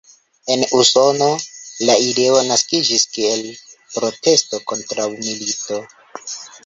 En Usono la ideo naskiĝis kiel protesto kontraŭ milito.